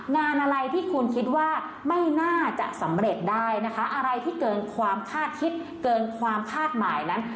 งานอะไรที่คุณคิดว่าไม่น่าจะสำเร็จได้นะคะอะไรที่เกินความคาดคิดเกินความคาดหมายนั้น